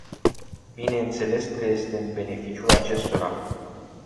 Bineînțeles că este în beneficiul acestora.